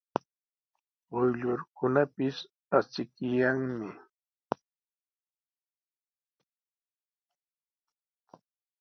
Quyllurkunapis achikyanmi.